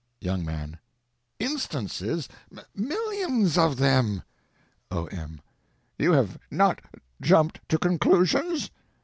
Young Man. Instances? Millions of them! O.M. You have not jumped to conclusions?